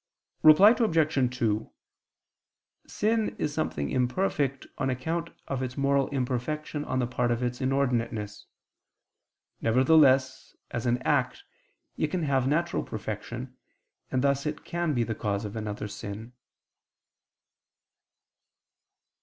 Reply Obj. 2: Sin is something imperfect on account of its moral imperfection on the part of its inordinateness. Nevertheless, as an act it can have natural perfection: and thus it can be the cause of another sin.